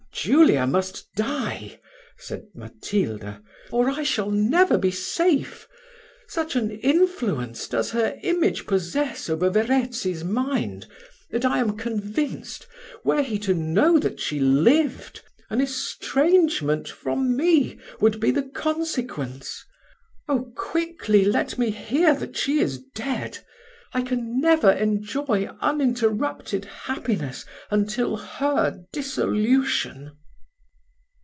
Julia must die," said Matilda, "or I shall never be safe; such an influence does her image possess over Verezzi's mind, that I am convinced, were he to know that she lived, an estrangement from me would be the consequence. Oh! quickly let me hear that she is dead. I can never enjoy uninterrupted happiness until her dissolution."